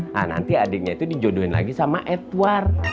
nah nanti adiknya itu dijodohin lagi sama edward